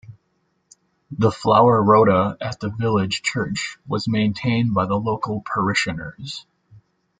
The flower rota at the village church was maintained by the local parishioners